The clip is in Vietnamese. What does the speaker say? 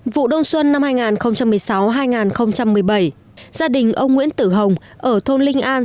vụ đông xuân năm hai nghìn một mươi sáu hai nghìn một mươi bảy gia đình ông nguyễn tử hồng ở thôn linh an